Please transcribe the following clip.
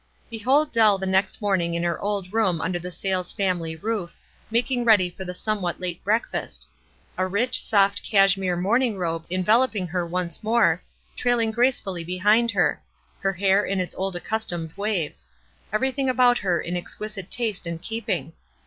Behold Dell the next morning in her old room under the Sayles family roof, making ready for the somewhat late breakfast. A rich, soft cash mere morning robe enveloping her once more, trailing gracefully behind her; her hair in its old accustomed waves ; everything about hoi in exquisite taste and keeping.